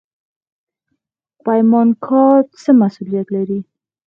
پیمانکار څه مسوولیت لري؟